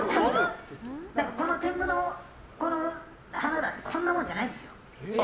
この天狗の鼻だってこんなもんじゃないですよ。